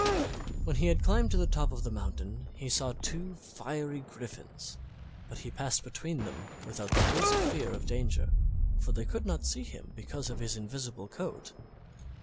When he had climbed to the top of the mountain he saw two fiery griffins; but he passed between them without the least fear of danger, for they could not see him because of his invisible coat.